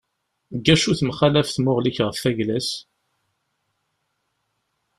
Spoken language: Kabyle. Deg acu temxalaf tmuɣli-k ɣef ayla-s?